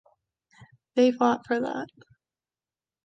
They fought for that.